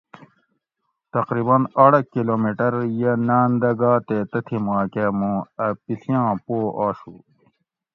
تقریباً آڑہ کلومیٹر یہ ناۤن دہ گا تے تتھی ماکہ موں اۤ پیڷیاں پو آشو